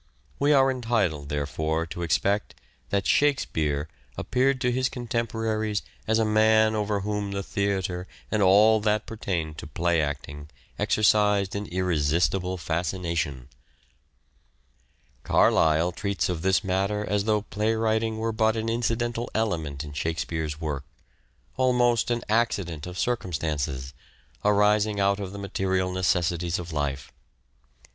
We are entitled, therefore, to expect that " Shakespeare " appeared to his contemporaries as a man over whom the theatre and all that pertained to play acting exercised an irresistible fascination. Carlyle treats of this matter as though play writing were but an incidental element in " Shakespeare's " work : almost an accident of circumstances, arising out of the material necessities of life.